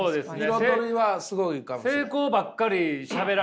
彩りはすごいかもしれない。